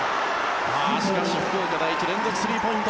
しかし、福岡第一連続スリーポイント。